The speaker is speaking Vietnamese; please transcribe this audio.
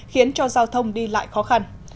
khiến cho giao thông đi lại khó khăn